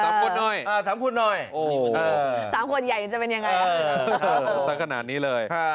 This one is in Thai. ขวดหน่อย๓คนหน่อย๓ขวดใหญ่จะเป็นยังไงสักขนาดนี้เลย